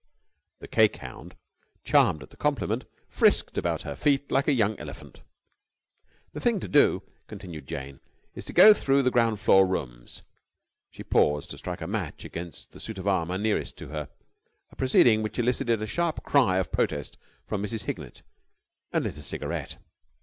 The cake hound, charmed at the compliment, frisked about her feet like a young elephant. "The first thing to do," continued Jane, "is to go through the ground floor rooms...." She paused to strike a match against the suit of armour nearest to her, a proceeding which elicited a sharp cry of protest from Mrs. Hignett, and lit a cigarette.